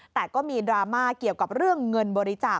แต่ก็มีดราม่าเกี่ยวกับเรื่องเงินบริจาค